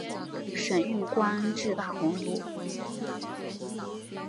盛允官至大鸿胪。